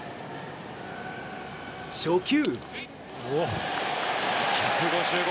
初球。